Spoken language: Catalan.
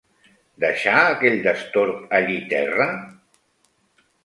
Deixar aquell destorb allí terra?